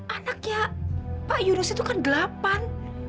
anaknya pak yunus itu kan delapan